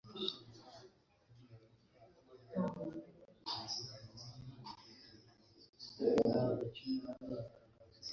nasubiyemo ibyo yavuze, muburyo bumwe yabivuze